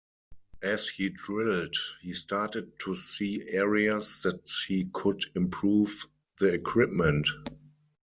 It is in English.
As he drilled he started to see areas that he could improve the equipment.